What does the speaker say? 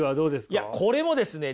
いやこれもですね